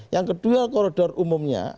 yang kedua koridor umumnya